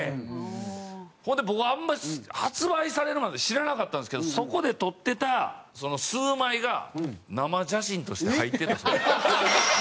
ほんで僕あんまり発売されるまで知らなかったんですけどそこで撮ってたその数枚が生写真として入ってた。